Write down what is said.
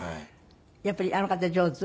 やっぱりあの方上手？